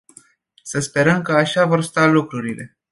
Să sperăm că așa vor sta lucrurile.